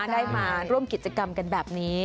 ได้มาร่วมกิจกรรมกันแบบนี้